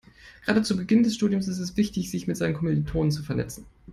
Gerade zu Beginn des Studiums ist es wichtig, sich mit seinen Kommilitonen zu vernetzen.